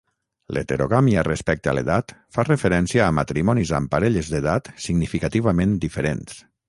L'heterogàmia respecte a l'edat fa referència a matrimonis amb parelles d'edat significativament diferents.